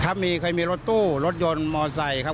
ครับมีค่อยมีรถตู้รถยนต์มอเตอร์ไซค์ครับ